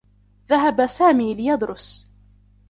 ذهب سامي ليدرس.